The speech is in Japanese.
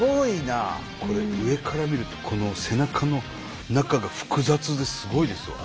これ上から見るとこの背中の中が複雑ですごいですよ。